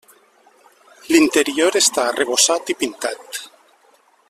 L'interior està arrebossat i pintat.